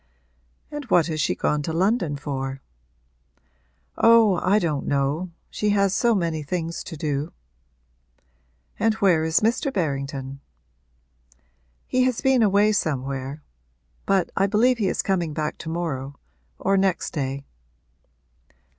'And what has she gone to London for?' 'Oh, I don't know she has so many things to do.' 'And where is Mr. Berrington?' 'He has been away somewhere; but I believe he is coming back to morrow or next day.'